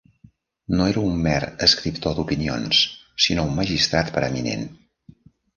No era un mer escriptor d'opinions, sinó un magistrat preeminent.